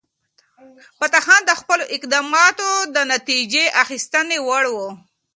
فتح خان د خپلو اقداماتو د نتیجه اخیستنې وړ و.